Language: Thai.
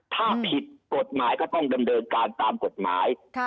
ถ้าผิดกฎหมายก็ต้องดำเนินการตามกฎหมาย